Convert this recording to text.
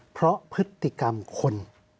เพราะพฤติกรรมคน